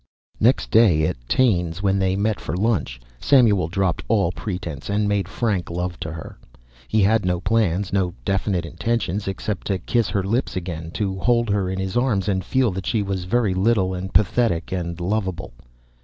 Next day at Taine's, when they met for lunch, Samuel dropped all pretense and made frank love to her. He had no plans, no definite intentions, except to kiss her lips again, to hold her in his arms and feel that she was very little and pathetic and lovable.